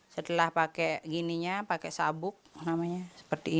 setelah pakai gininya pakai sabuk namanya seperti ini